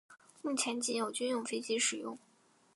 目前仅有军用飞机使用。